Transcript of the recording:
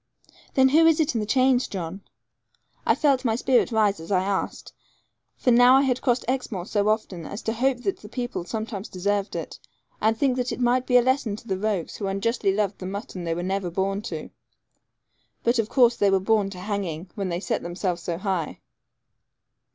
'Then who is it in the chains, John?' I felt my spirit rise as I asked; for now I had crossed Exmoor so often as to hope that the people sometimes deserved it, and think that it might be a lesson to the rogues who unjustly loved the mutton they were never born to. But, of course, they were born to hanging, when they set themselves so high.